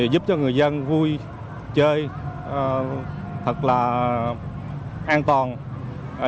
giúp cho người dân vui chơi thật là an toàn